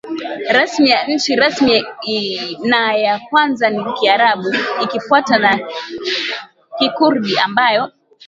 rasmi ya nchi rasmi na ya kwanza ni Kiarabu ikifuatwa na Kikurdi ambayo